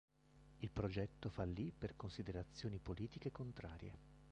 Il progetto fallì per considerazioni politiche contrarie.